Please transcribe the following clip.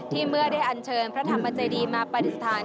เมื่อได้อันเชิญพระธรรมเจดีมาปฏิสถาน